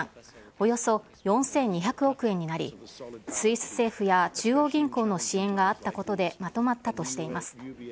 およそ４２００億円になり、スイス政府や中央銀行の支援があったことでまとまったとしています。